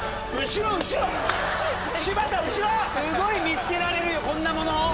すごい見つけられるよこんなもの。